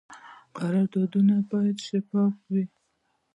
قراردادونه باید شفاف وي